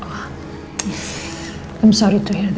maaf dengar itu